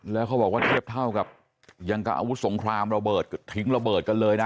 แล้วเขาบอกว่าเทียบเท่ากับยังกับอาวุธสงครามระเบิดทิ้งระเบิดกันเลยนะ